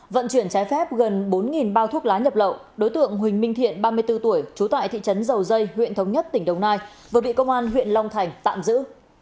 vận chuyển trái phép gần bốn bao thuốc lá nhập lậu đối tượng huỳnh minh thiện ba mươi bốn tuổi trú tại thị trấn dầu dây huyện thống nhất tỉnh đồng nai vừa bị công an huyện long thành tạm giữ